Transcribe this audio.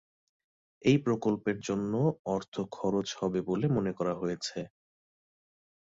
এই প্রকল্পের জন্য অর্থ খরচ হবে বলে মনে করা হয়েছে।